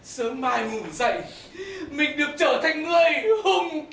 sớm mai ngủ dậy mình được trở thành người hùng